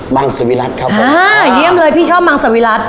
มังสวิรัติครับผมอ่าเยี่ยมเลยพี่ชอบมังสวิรัติ